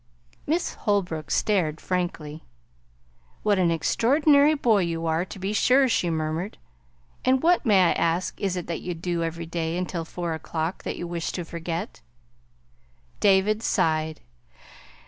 Miss Holbrook stared frankly. "What an extraordinary boy you are, to be sure," she murmured. "And what, may I ask, is it that you do every day until four o'clock, that you wish to forget?" David sighed.